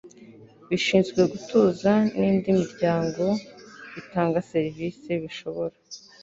bishinzwe gutuza n indi miryango bitanga serivise bishobora